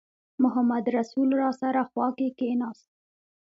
محمدرسول راسره خوا کې کېناست.